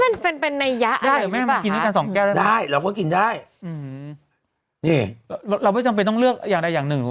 มันเป็นในยะอะไรหรือเปล่าครับได้เราก็กินได้นี่เราไม่จำเป็นต้องเลือกอย่างหนึ่ง